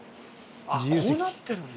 こうなってるんだ。